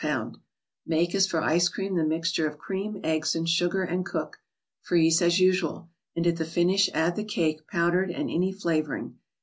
Make as for ice cream the mixture of cream, eggs and sugar, and cook. Freeze as usual, and at the finish add the cake, powdered, and any flavoring.